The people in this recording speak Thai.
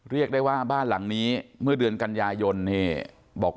เรียกได้ว่าบ้านหลังนี้เมื่อเดือนกันยายนบอก